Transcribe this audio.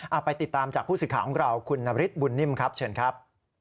เอาไปติดตามจากผู้ศึกขาของของเราคุณนบริษฐ์บุญนิมครับเชิญครับ